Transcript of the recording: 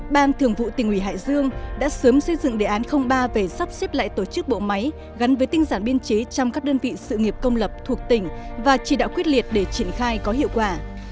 ban thường vụ tỉnh ủy hải dương đã sớm xây dựng đề án ba về sắp xếp lại tổ chức bộ máy gắn với tinh giản biên chế trong các đơn vị sự nghiệp công lập thuộc tỉnh và chỉ đạo quyết liệt để triển khai có hiệu quả